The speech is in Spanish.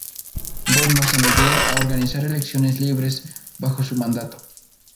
Borno se negó a organizar elecciones libres bajo su mandato.